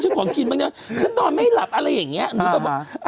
ฉันของกินบางอย่างฉันนอนไม่หลับอะไรอย่างนี้